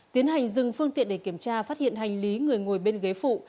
tiến hành dừng phương tiện để kiểm tra phát hiện hành lý người ngồi bên ghế phụ